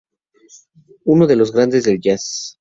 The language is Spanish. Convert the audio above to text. Uno de los grandes del jazz.